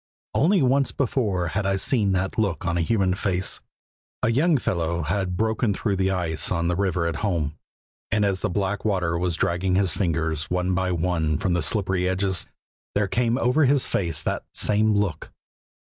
Only once before had I seen that look on a human face. A young fellow had broken through the ice on the river at home, and as the black water was dragging his fingers one by one from the slippery edges, there came over his face that same look.